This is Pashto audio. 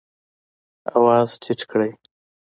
آواز ټیټ کړئ